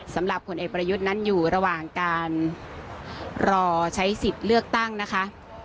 สำหรับผลเอกประยุทธ์นั้นอยู่ระหว่างการรอใช้สิทธิ์เลือกตั้งนะคะ